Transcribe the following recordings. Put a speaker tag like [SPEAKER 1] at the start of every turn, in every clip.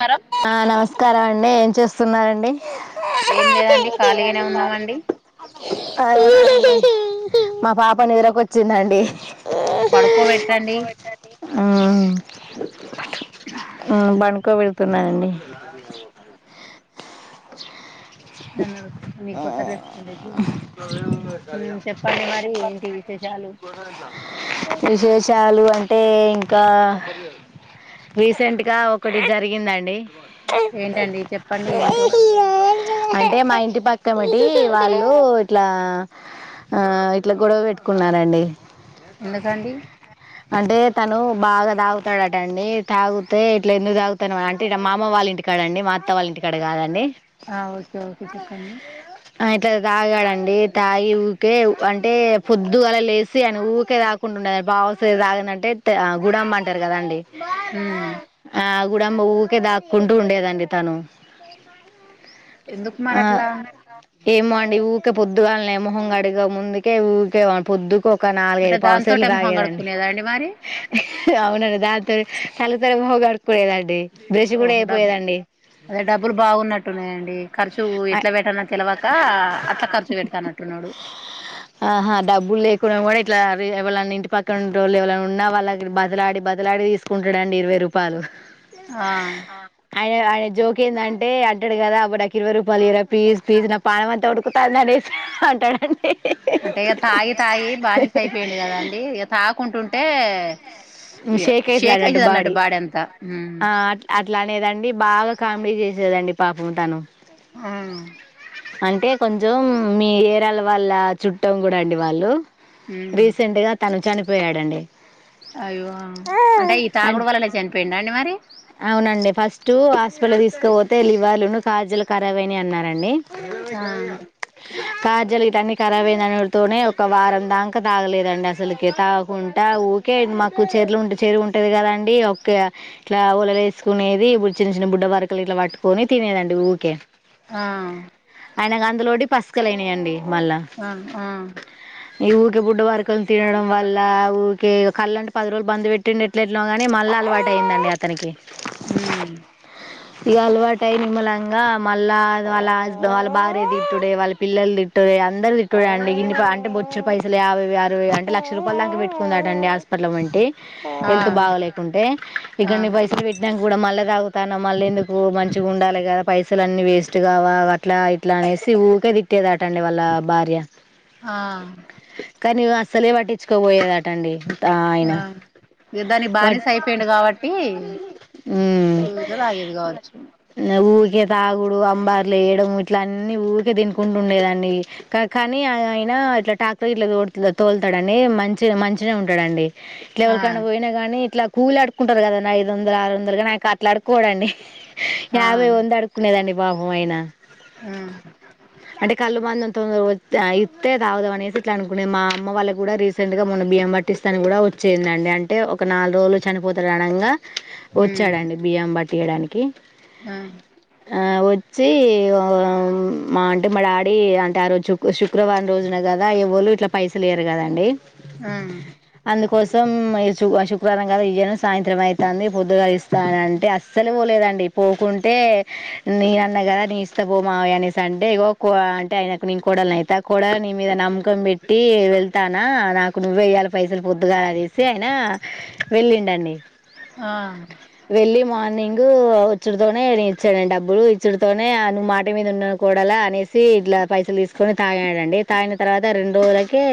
[SPEAKER 1] నమస్కారం
[SPEAKER 2] ఆ నమస్కారం అండి చేస్తున్నారండి
[SPEAKER 1] ఏం లేదండి ఖాళీగానే ఉన్నామండి
[SPEAKER 2] అదే మా పాప నిదరకొచ్చిందండి
[SPEAKER 1] పడుకోబెట్టండి
[SPEAKER 2] ఉమ్, పడుకోపెడుతూన్నానండి
[SPEAKER 1] నన్ను అడుగుతుంది మీ కొత్త డ్రెస్ ఉ చెప్పండి మరి ఏంటి విశేషాలు
[SPEAKER 2] షాలు అంటే ఇంకా రీసెంట్గా ఒకటి జరిగిందండి
[SPEAKER 1] ఏంటండి చెప్పండి ఏంటో
[SPEAKER 2] అంటే మా ఇంటి పక్కమిటి వాళ్ళు ఇట్లా ఆ ఇట్లా గొడవ పెట్టుకున్నారండి.
[SPEAKER 1] ఎందుకండి
[SPEAKER 2] అంటే తను బాగా తాగుతాడట అండి తాగితే ఇట్లా ఎందుకు తాగుతాను అంటే ఇడా మామ వాళ్ళ ఇంటి కాడడి మా మత్తవాళ్ళ ఇంటి కడ కదండీ
[SPEAKER 1] ఆ ఓకే ఓకే చెప్పండి
[SPEAKER 2] ఇట్లా తాగాడండి తాగి ఊకే అంటే అంటే పొద్దుగాల లేసి అన ఊరికే తాకుంటుండది పావ తాగిదంటే గుడబ అంటారు కదా అండి
[SPEAKER 1] ఉమ్
[SPEAKER 2] ఆ గుడుంబా దాక్కుంటూ ఉండేదండి తను
[SPEAKER 1] ఎందుకు మరి
[SPEAKER 2] ఆ
[SPEAKER 1] అట్లా
[SPEAKER 2] ఏమో అండి ఊరికే పొద్దుగా మొహం కడిగే ముందుకే ఊరికే పొద్దుకో ఒక
[SPEAKER 1] అంటే
[SPEAKER 2] నాలుగైదు పవసలు
[SPEAKER 1] దాంతోటే మొహం
[SPEAKER 2] తాగేదండి
[SPEAKER 1] కడుక్కునేదా అండి మరి
[SPEAKER 2] అవునను దా తల్ తర భోగాడుకుడేద అండి [unintelligible]
[SPEAKER 1] ఓహో డబ్బు అదే డబ్బులు బాగున్నట్టు న్నాయండి ఖర్చు ఎట్లా పెట్టన్న తెలివాక అట్లా ఖర్చు పెడతానట్టున్నాడు
[SPEAKER 2] ఆహా డబ్బులు కూడా లేకుండా ఇట్లా ఎవ ఇంటి పక్కన ఉ రోళ్ళు ఎవ ఉన్నా వాళ్ళ బదలాడి బదలాడి తీసుకుంటాడండి ఇరవై రూపాయలు
[SPEAKER 1] ఆ
[SPEAKER 2] అయ అ జోకెంది అంటే అంటే అంటాడు కదా అబడు నాకు ఇరవై రూపాయలు ఇరవై పీజ్ ప్లీజ్ నా పానం అంతా ఉడుకుతాంది అనేసి అంటాడుడి
[SPEAKER 1] అంటే ఇక తాగి తాగి బానిస అయిపోయిడు కదా అండి ఇక తాకుంటుంటే ఇ షేక్ అయతుంది అన్నట్టు బాడి అంతా
[SPEAKER 2] ఆ అట్లా అనేదండి బాగా కామెడీ చేసేదండి. పాపం తాను
[SPEAKER 1] ఆ
[SPEAKER 2] అంటే కొంచం మీ ఏరాల వాళ్లు చుట్టం కూడా అండి వాళ్లు
[SPEAKER 1] ఉమ్
[SPEAKER 2] రీసెంట్ గా తను చని పోయాడండి
[SPEAKER 1] అయ్యో! అంటే ఈ తాగుడు
[SPEAKER 2] అం
[SPEAKER 1] వల్లనే చనిపోయిడా అండి మరి?
[SPEAKER 2] అవునండి ఫస్ట్ హాస్పిటల్ తీసుకుపోతే లివర్లును కాార్జీలు ఖరాబ్ అయ్యినయ అన్నారండి ఎద
[SPEAKER 1] ఆ
[SPEAKER 2] గారు [inaudible] కార్జీలు గిట్ల అన్నీ ఖరాబ్ అయ్యిందంతోనే ఒక వారం దాకా తాగలేదండి అసలీకే తాగకుంటా ఊకే మాకు చెర్లు చెరువు ఉంటది కదాండి, ఒకే ఇట్లా వొలలు వేసుకునేది. ఇప్పుడు చిన్న చిన్న బుడ్డ వరకలు ఇట్లా పట్టుకొని తినేదండి ఊకే
[SPEAKER 1] ఆ
[SPEAKER 2] ఆయన కందులోటి పస్ అయినయాండి
[SPEAKER 1] ఆ ఆ....
[SPEAKER 2] గి బుడ్డు వరకలు తినడం వల్ల ఊకే కల్లు అంట పది రోజులు బంద్ పెట్టిండు ఎట్లఎట్లనో గానీ మళ్ల అలవాటు అయిందంట. తనకి
[SPEAKER 1] ఉమ్
[SPEAKER 2] ఇగా అలవాటై నిమ్మళంగా ఇగా మళ్ల వాళ హుస్సే వాళ్ల భార్య తిట్టుడే, వాళ్ల పిల్లలు తిట్టుడే, అందరు తిట్టుడే అండి ఇన్ని అంటే బొచ్చెడు పైసలు, యాభై ఆరవై అంటే లక్ష రూపాయల దాకా పెట్టుకుందాటండి హాస్పి.... అట్ల వంటి
[SPEAKER 1] ఆ
[SPEAKER 2] హెల్త్ బాగలేకుంటే
[SPEAKER 1] ఆ
[SPEAKER 2] ఇగన్ని పైసలు పెట్టిన్నాక కూడా మళ్ల తాగుతాన్నవు. మళ్లీ ఎందుకు? మంచిగా ఉండాలే గా. పైసలు అన్నీ వెస్ట్ గావా, అట్ల ఇట్ల అనేసి ఊకే తిట్టేదాటండి వాళ్ల భార్య
[SPEAKER 1] ఆ
[SPEAKER 2] అసలే వట్టించుకోవోయేదాటండి.
[SPEAKER 1] ఆ ఇగ దాని బానిస అయిపోయిండు కాబట్టి
[SPEAKER 2] ఉ
[SPEAKER 1] ఊకే తాగేది కావచ్చు
[SPEAKER 2] ఇగ ఉ ఇగ తాగుడు అంబర్లు ఏయడము ఇట్ల అన్నీ ఊకే తినుకుంట ఉండేదండీ. కా కానీ అయినా ఇట్లా ట్రాక్టర్ గిట్లా తోడ్త్లతోల్తాడు అండి. మంచిగ మంచిగానే ఉంటాడు అండి. ఇట్లా
[SPEAKER 1] ఆ
[SPEAKER 2] ఎవ్వలికన్నా పోయినా గానీ ఇట్లా కూలీ అడుక్కుంటారు కదా ఐదు వందలు ఆరు వందలు గాని అవి ఖర్ అట్లా అడుకోడండి.
[SPEAKER 1] ఆ
[SPEAKER 2] యాభై వంద అడుకునేదండి పాపం ఆయన.
[SPEAKER 1] ఆ
[SPEAKER 2] అంటే కల్లు మందం తొందరగా వచ్ తాగితే తాగుదం అనేసి ఇట్లా అనుకునేది మా అమ్మ వాళ్ల కూడా రీసెంట్ గా మొన్న బియ్యం పట్టిస్తానికి గూడా వచ్చిందండి అంటే ఒక నాలుగు రోజులు చనిపోతాడు అనంగా వచ్చాడండి బియ్యం పట్టియడానికి.
[SPEAKER 1] ఉ
[SPEAKER 2] ఆ! వచ్చి ఓ మా అంటే మా డాడీ అంటే ఆ రోజు శుక్ శుక్రవారం రోజున కదా, ఎవల్లు ఇట్లా పైసలు ఇయ్యారు కదాండి. అందుకోసం ఎస్ శుభ శుక్రవారం కదా ఇయ్యాను సాయంత్రం అయ్యి తాంది పొద్దుగలగ ఇస్తా అంటే అస్సలు పోలేదండి పోకుంటే నేనన్న కదా నీ ఇస్తా పో మావయ్య అనేసి అంటే ఇగో అంటే ఆయనకు నీను కోడలు అయిత కోడల నీ మీద నమ్మకం పెట్టి వెళ్తానా నాకు నువ్వే ఇయ్యాల పైసలు పొద్దుగా అనేసి ఆయన వెళ్ళిండండి
[SPEAKER 1] ఆ
[SPEAKER 2] వెళ్లి మార్నింగ్ డు వచ్చుడుతోనే నే ఇచ్చానండి డబ్బులు ఇచ్చడితోనే ఆ నువ్వు మాట మీద ఉన్నావు కూడాలా అనేసి ఇట్లా పైసలు తీసుకొని తాగాడండి తాగిన తర్వాత రెండు రోజులకే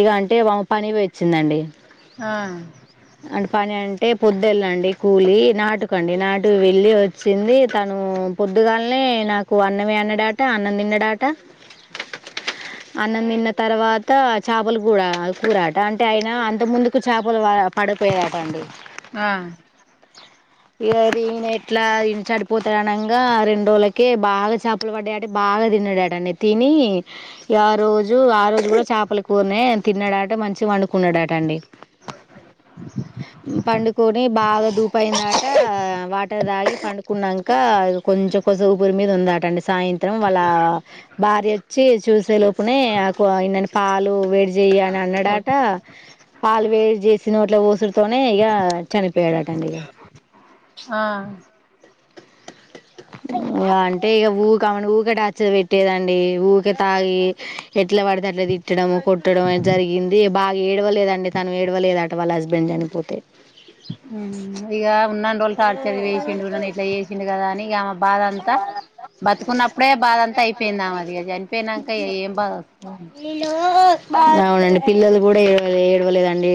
[SPEAKER 2] ఇగ అంటే పనికి పోయిచ్చిందండి
[SPEAKER 1] ఆ
[SPEAKER 2] అంటే పొదేళ్ళండి కూలి నాటుకండి నాటు వెళ్ళి వచ్చింది తను పొద్దుగాలనే నాకు అన్నమే అన్నడాట అన్నం తిన్నడాట అన్నం తిన్న తర్వాత చేపలు కూడా కూరట అంటే ఆయన అంత ముందుకు చేపలు పడిపోయా అట పండు
[SPEAKER 1] ఆ
[SPEAKER 2] ఇగా రీ ఎట్లా ఈ చడిపోతాడనంగా రెండు రోజులకే బాగా చేపలు పడ్డాయట బాగా తిన్నాడాటండి తిని ఆ రోజు ఆ రోజు కూడా చేపల కూరినే తిన్నాడాట మంచిగా పడుకున్నాడాటండి పండుకొని బాగా దూపు అయిందట వాటర్ దాగి పండుకున్నాక కొంచెం కొస ఊపిరి మీద ఉందాటండి సాయంత్రం వాళ్ళ భార్య వచ్చి చూసే లోపునే ఇన్నన్ని పాలు వేడి చేయ
[SPEAKER 1] ఆ
[SPEAKER 2] నన్నడాట పాలు వేడి చేసినోట్ల పోస్ తోనే ఇక చనిపోయాడటండి ఇగ
[SPEAKER 1] ఆ
[SPEAKER 2] ఇగ అంటే ఇగ ఊకే ఆమెను ఊకె టార్చర్ పెట్టేదండి ఊకే తాగి ఎట్లా పడితే అట్ల తిట్టడం కొట్టడం అది జరిగింది బాగా ఏడవలేదండి తను ఏడవలేద అట వాళ్ళ హస్బెండ్ చనిపోతే
[SPEAKER 1] ఇగా ఉన్ననీ రోజులు టార్చర్ చేసిండు న్నను ఇట్లా చేసిండు కదా అని ఆమె బాధ అంతా బతుకున్నప్పుడే బాధ అంతా అయిపోయింది ఆమెది అది చనిపోయినాక ఏం బాధ వస్తుంది
[SPEAKER 2] అవునండి పిల్లలు కూడా ఏడవ ఏడవలేదండి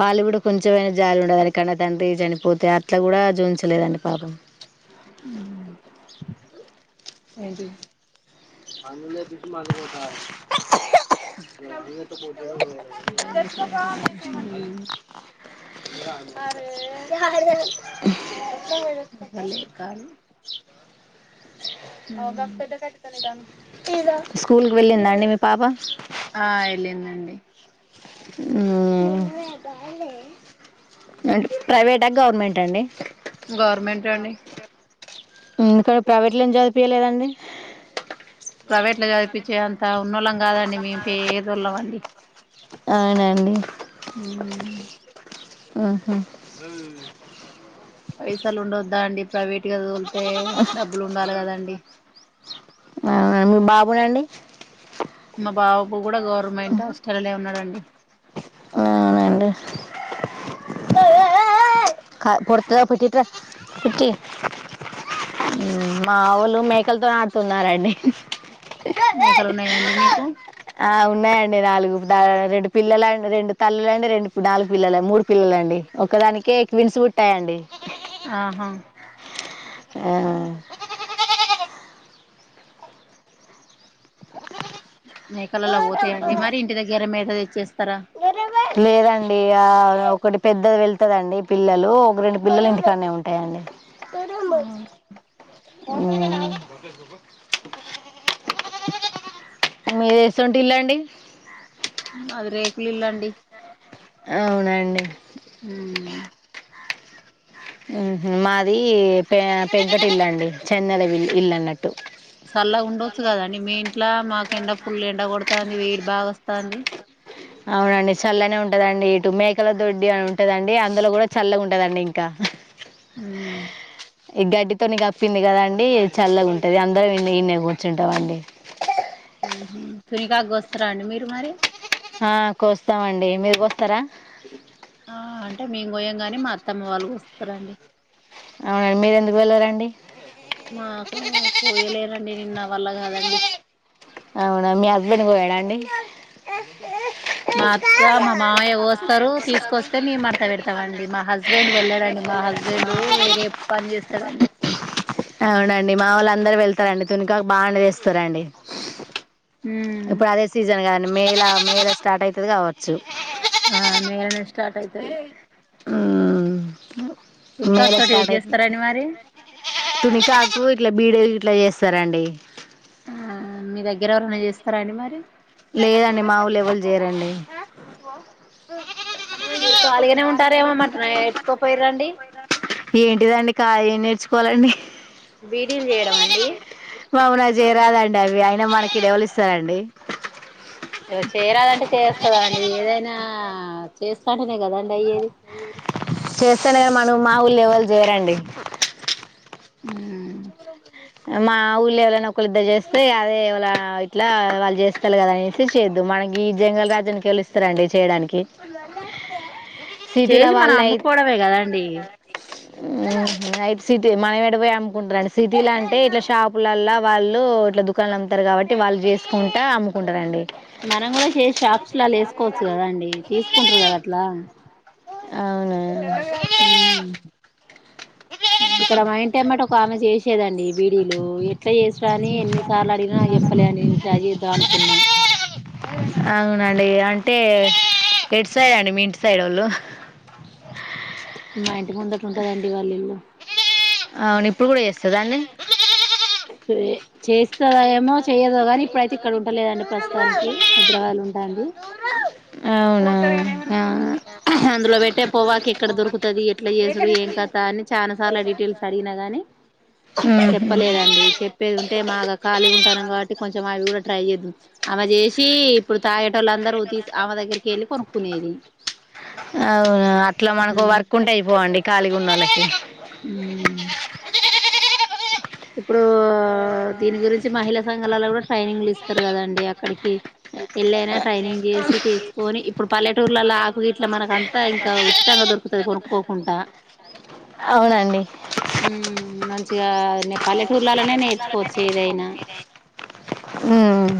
[SPEAKER 2] వాళ్ళు కూడా కొంచెంమనా జాలి ఉండదని కానీ తండ్రి చనిపోతే అట్లా కూడా జూయించలేదండి పాపం
[SPEAKER 1] ఉ ఏంటి [unintelligible] అవ్వలే కాదు
[SPEAKER 2] స్కూల్ కి వెళ్ళిందా
[SPEAKER 1] ఆ వెళ్లిందండి అండి
[SPEAKER 2] హ ప్రైవేట్ ఆ గవర్నమెంట్ అండి
[SPEAKER 1] గవర్నమెంట్ అండి
[SPEAKER 2] ఇంకా ప్రైవేట్‌లో ఎం చదివిపియ్యలేదండి
[SPEAKER 1] ప్రైవేట్ లో చ చప్పించే అంత ఉన్నోళ్ళం కాదండి మేము పే దోళ్లం అండి
[SPEAKER 2] అవునండి
[SPEAKER 1] ఊహూ
[SPEAKER 2] ఊహూ
[SPEAKER 1] పైసలు ఉండద్దా అండి ప్రైవేట్ గట్టిగా తోలితే డబ్బులు ఉండాలి కదండి
[SPEAKER 2] అవునా మీ బాబునండి
[SPEAKER 1] మా బాబ్ ఇప్పుడు కూడా గవర్నమెంట్ హస్టల్ల్లో ఉన్నాడండి
[SPEAKER 2] అవునండి పొరతుద పెటిట కుటి మావోళ్లు మేకలతో ఆడుతున్నారండి
[SPEAKER 1] మేకలు ఉన్నాయా అండి మీకు
[SPEAKER 2] అవునా నాలుగు రెండు పిల్లలు రెండు తల్లులుండి రెండు నాలుగు పిల్లలు మూడు పిల్లండి ఒకదానికిే ఎక్ విన్స్ పుట్టాయండి
[SPEAKER 1] ఆహా
[SPEAKER 2] ఆ
[SPEAKER 1] మేకలలో పోతాయండి మరి ఇంటి దగ్గర మే [unintelligible]
[SPEAKER 2] లేదండి ఆ ఒకటి పెద్దది వెళ్తుందిండి పిల్లలు ఒక రెండు పిల్లలు ఇంటికన్నే ఉంటాయండి
[SPEAKER 1] ఆ
[SPEAKER 2] హు మీది వేసువంటి ఇల్లాండి
[SPEAKER 1] మాది రేకుల ఇల్లండి
[SPEAKER 2] అవునండి
[SPEAKER 1] ఉమ్
[SPEAKER 2] మాది పె పెద్దటి ఇల్లుండి చెన్నెలల్ ఇల్లు అన్నట్టు
[SPEAKER 1] చల్లగా ఉండొచ్చు కదండి మీ ఇంట్లో మాకు ఎంండ పుల్ండి డ గొడతాంది వేడి భా తాంది
[SPEAKER 2] అవునండి చల్లనే ఉంటదండి ఇటు మేకల దొడ్డి అని ఉంటదండి అందులో గూడా చల్లగా ఉంటుదండి ఇం క్క
[SPEAKER 1] హ్మ్
[SPEAKER 2] ఈ గడ్డితోనీ కప్పింది కదా అండి చల్లగా ఉంటుంది అందరం ఇ ఇన్నే కూర్చుంటాం అండి
[SPEAKER 1] తునిగాకు గోస్తరా అండి మీరు మరి
[SPEAKER 2] ఆ కోస్తామండి మీరు గోస్తారా
[SPEAKER 1] ఆ అంటే మే కోయం ని మా అత్తమ్మ వాళ్ళు గోస్తారండి
[SPEAKER 2] అవున మీరెందుకు వెళ్ళరండి
[SPEAKER 1] మాకు కోయలేరండి నిన్న నా వల్ల గాదండి
[SPEAKER 2] అవునా మీ హస్బెండ్ కోయడా అండి ఆ
[SPEAKER 1] మా అత్త మా మావయ్య గోస్తారు తీసుకొస్తే మేము మడత పెడతామండి మా హస్బెండ్ వెళ్ళడండి మా హస్బెండు వేరే పని చేస్తాడండి
[SPEAKER 2] తదండి తునిగాకు బాండ చేస్తారండి
[SPEAKER 1] ఉమ్
[SPEAKER 2] ఇప్పుడు అదే సీజన్ గ మేల మేల స్టార్ట్ అయితది గావచ్చు
[SPEAKER 1] ఆ మే స్టార్ట్ అయితది
[SPEAKER 2] హ్మ్ మేల
[SPEAKER 1] పిన్కాక్ తోటి ఏం
[SPEAKER 2] స్టార్ట్ అయితది
[SPEAKER 1] చేస్తారండి మరి
[SPEAKER 2] తునిగాకు ఇట్ల బీడీలు గిట్లా చేస్తారండి
[SPEAKER 1] ఆ మీ దగ్గర ఎవరనా చేస్తారా అండి మరి
[SPEAKER 2] లేదండి మా ఊలు ఎవలు జేరండి
[SPEAKER 1] మీరు ఖాళీగానే ఉంటారేమో మరి నేర్చుకోపోయిరండి
[SPEAKER 2] ఏంటిదండి కా ఏ నేర్చు కోలండి
[SPEAKER 1] బీడీలు చేయడం అండి
[SPEAKER 2] వామో నా జేయరాదండి అవి ఆయన మనకి ఇడెవలు ఇస్తారండి
[SPEAKER 1] ఇ చేయరాదంటే చేస్తదండి ఏదైనా ఆ చేస్తా అదే కదండి అయ్యేది
[SPEAKER 2] చేస్తేనే కానీ మనం మా ఊళ్ళో ఎవలు జేయరండి
[SPEAKER 1] హ్మ్
[SPEAKER 2] మా ఊళ్ళు ఎవలైనా ఒకరి ఇద్దరు జేస్తే అదే ఎవళ ఇట్లా వాళ్ళు జేస్తాలు కదా అనేసి చేయొద్దు మనకి ఈ జంగల్ రాజ్యానికి ఎవళు ఇస్తారండి చేయడానికి సిటీల
[SPEAKER 1] చేసి మన
[SPEAKER 2] వాళ్ళు అయి
[SPEAKER 1] అమ్మకోడమే గదండి
[SPEAKER 2] నైట్ సిటీ మనం ఎడిపోయి అమ్ముకుంటారండి సిటీ లాం అంటే ఇట్లా షాపులల్లా వాళ్ళు ఇట్లా దుకాణలు అమ్తారు కాబట్టి వాళ్ళు చేసుకుంటా అమ్ముకుంటారండి
[SPEAKER 1] మనం కూడా చేస షాప్స్ లా లే వేసుకోవచ్చు కదా అండి తీసుకుంటారు కదా అట్లా
[SPEAKER 2] అవునా
[SPEAKER 1] ఉమ్ ఇక్కడ మా ఇంటెమ్మాట ఒక ఆమె చేసి చ్చేదండి బీడీలు ఎట్లా చేసా అని ఎన్నిసార్లు అడిగినా నాకు చెప్పలేని నేనుట్లచేద్దాం అనుకున్నా
[SPEAKER 2] అవునండి అంటే ఎడ్ సైడ్ అండి మీ ఇంటి సైడ్ వాళ్ళు
[SPEAKER 1] మా ఇంత ముందట్ ఉంటదండి వాళ్ళ ఇల్లు
[SPEAKER 2] అవును ఇప్పుడు కూడా చేస్తుంద అండి
[SPEAKER 1] చేేస్ ఉంటలేదండి ప్రస్తుతానికి హైదరాబాద్ లో ఉంటాంది
[SPEAKER 2] అవునా
[SPEAKER 1] ఆ అందులో పెట్టే పోవాకి ఎక్కడ దొరుకుతుది ఎట్లా చేసడు ఏం కథ అని చాలా సార్లు డీటెయిల్స్ అడిగినా గాని
[SPEAKER 2] ఉహు
[SPEAKER 1] చెప్పలేదండి చెప్పేది ఉంటే మాగాక్క ఖాళీగా ఉంటాం కాబట్టి కొంచెం అవి కూడా ట్రై చేద్దాం అమె చేసి ఇప్పుడు తాగేట వాళ్ళ అందరూ తీ ఆమె దగ్గకి వెళ్ళి కొను కునేది
[SPEAKER 2] అవునా అట్లా మనకు వర్కుంటే అయిపోవండి కాలీగు ఉనకి
[SPEAKER 1] అ ఇప్పుడు దీని గురించి మహిళా సంఘాలలో కూడా ట్రైనింగ్లు ఇస్తారు కదండి అక్కడికి ఎళ్ళైనా ట్రైనింగ్ చేసి తెసుకొని ఇప్పుడు పల్లెటూర్లలో ఆకు గీట్ల మనక అంతా ఇంకా ఉచితంగా దొరుకుతుంది కొనుక్కోకుండా
[SPEAKER 2] అవునండి
[SPEAKER 1] మ ఆ ఊర్లలోనే నేర్చుకోవచ్చు ఏదైనా
[SPEAKER 2] ఉమ్